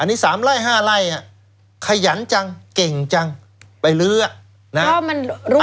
อันนี้สามไล่ห้าไล่อ่ะขยันจังเก่งจังไปเลือกนะฮะ